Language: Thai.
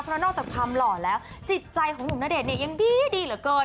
เพราะนอกจากความหล่อแล้วจิตใจของหนุ่มณเดชน์เนี่ยยังดีเหลือเกิน